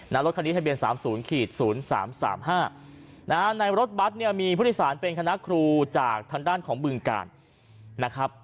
รถคันนี้ทะเบียน๓๐๐๓๓๕นะฮะในรถบัตรเนี่ยมีผู้โดยสารเป็นคณะครูจากทางด้านของบึงกาลนะครับ